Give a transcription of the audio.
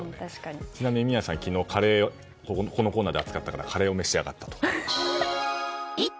ちなみに、宮司さんは昨日、このコーナーでカレーを扱ったからカレーを召し上がったと。